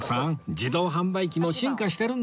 自動販売機も進化してるんですよ